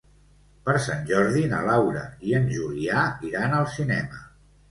Per Sant Jordi na Laura i en Julià iran al cinema.